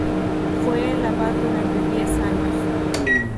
Fue el abad durante diez años.